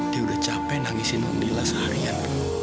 dia udah capek nangisin membela seharian